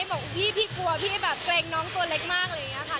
บอกพี่พี่กลัวพี่แบบเกรงน้องตัวเล็กมากอะไรอย่างนี้ค่ะ